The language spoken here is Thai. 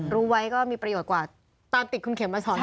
รู้ไว้ก็มีประโยชน์กว่าตามติดคุณเข็มมาสอน